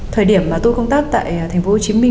thời điểm mà tôi công tác tại tp hcm